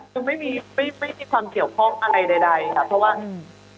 คือไม่มีไม่ไม่มีความเกี่ยวข้องอะไรใดใดค่ะเพราะว่าอืม